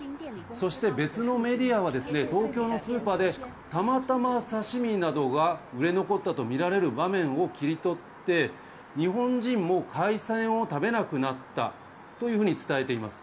そして、別のメディアは、東京のスーパーでたまたま刺身などが売れ残ったと見られる場面を切り取って、日本人も海鮮を食べなくなったと伝えています。